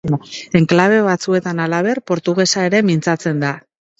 Enklabe batzuetan, halaber, portugesa ere mintzatzen da.